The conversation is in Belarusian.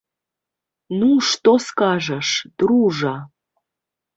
Ну, што скажаш, дружа?